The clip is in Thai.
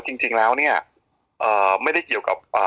จริงแล้วเนี่ย